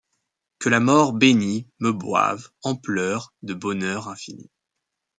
Que la mort bénie me boive en pleurs de bonheur infini.